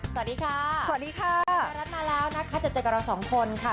สวัสดีค่ะสวัสดีค่ะไทยรัฐมาแล้วนะคะจะเจอกับเราสองคนค่ะ